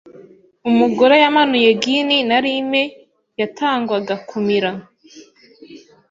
Umugore yamanuye gin na lime yatangwaga kumira.